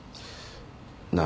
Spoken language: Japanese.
なあ？